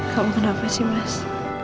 kamu kenapa sih mas